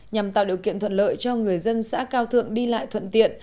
nhằm tạo điều kiện thuận lợi cho người dân xã cao thượng đi lại thuận tiện